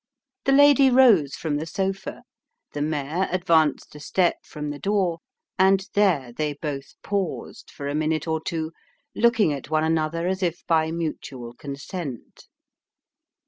The lady rose from the sofa ; the mayor advanced a step from the door ; and there they both paused, for a minute or two, looking at one another as if by mutual consent.